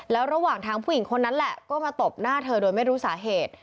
แล้วระหว่างทางผู้หญิงคนนั้นแหละก็มาตบหน้าเธอโดยไม่รู้สาเหตุ